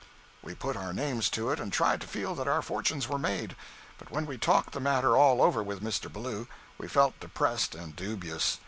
We put our names to it and tried to feel that our fortunes were made. But when we talked the matter all over with Mr. Ballou, we felt depressed and dubious.